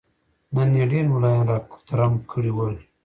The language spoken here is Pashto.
نن يې ډېر ملايان را کوترم کړي ول.